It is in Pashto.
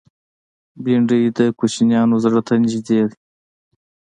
بېنډۍ د کوچنیانو زړه ته نږدې ده